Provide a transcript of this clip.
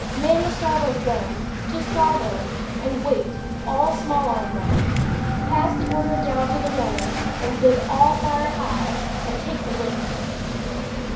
Man the starboard guns; to starboard, and wait, all small arm men. Pass the order down to the gunner, and bid all fire high, and take the rigging."